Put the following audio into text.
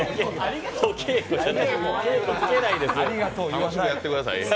楽しくやってください。